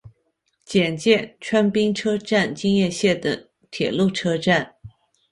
检见川滨车站京叶线的铁路车站。